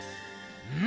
うん？